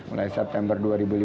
mulai september dua ribu lima belas